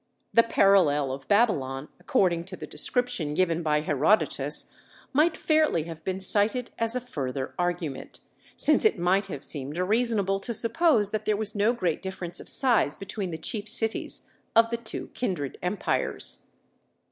The parallel of Babylon, according to the description given by Herodotus, might fairly have been cited as a further argument; since it might have seemed reasonable to suppose that there was no great difference of size between the chief cities of the two kindred empires."